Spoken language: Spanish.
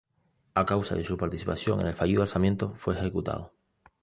A causa de su participación en el fallido alzamiento fue ejecutado.